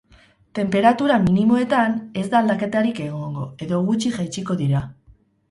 Tenperatura minimoetan, ez da aldaketarik egongo, edo gutxi jaitsiko dira.